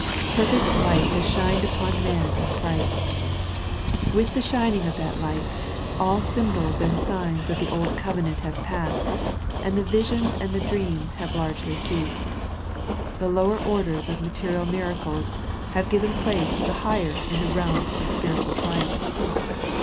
Perfect light has shined upon man in Christ. With the shining of that light, all symbols and signs of the old covenant have passed, and the visions and the dreams have very largely ceased. The lower orders of material miracles have given place to the higher in the realms of spiritual triumph.